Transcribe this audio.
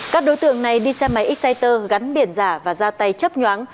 các đối tượng này đi xe máy exciter gắn biển giả và ra tay chấp nhoáng